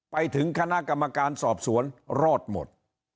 ไปถึงคณะกรรมการสอบสวนรอดหมด